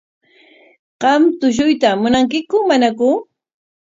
¿Qam tushuyta munankiku manaku?